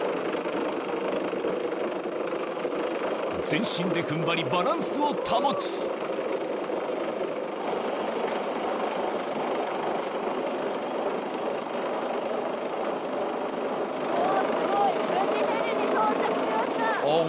全身で踏ん張りバランスを保つすごい。